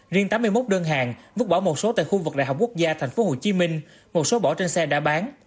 riêng tám mươi một đơn hàng vứt bỏ một số tại khu vực đại học quốc gia thành phố hồ chí minh một số bỏ trên xe đã bán